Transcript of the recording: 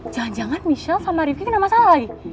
jangan jangan michelle sama rifki kena masalah lagi